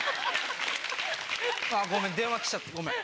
あっごめん電話きちゃったごめん。